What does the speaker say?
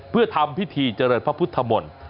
เพื่อทำพิธีเจริญพระพุทธมนตร์